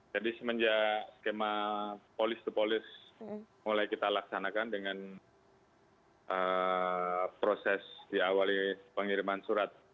jadi semenjak skema polis polis mulai kita laksanakan dengan proses diawali pengiriman surat